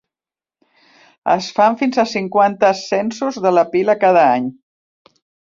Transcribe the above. Es fan fins a cinquanta ascensos de la pila cada any.